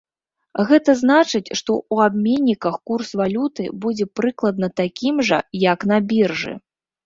Гэта значыць, што ў абменніках курс валюты будзе прыкладна такім жа, як на біржы.